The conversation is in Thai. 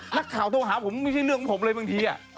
นักข่าวโทรหาผมไม่ใช่เรื่องของผมเลยบางที